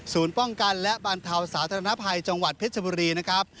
ป้องกันและบรรเทาสาธารณภัยจังหวัดเพชรบุรีนะครับ